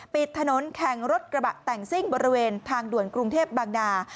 ปิดถนนแข่งรถกระบะแต่งซิ่งบริเวณทางด่วนกรุงเทพบางนา